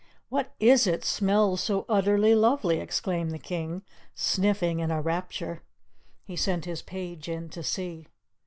"What is it smells so utterly lovely?" exclaimed the King, sniffing in a rapture. He sent his page in to see.